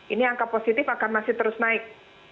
ini angka positif akan masih terus naik